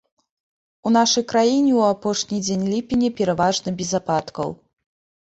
У нашай краіне ў апошні дзень ліпеня пераважна без ападкаў.